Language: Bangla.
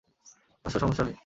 আসো, সমস্যা নেই।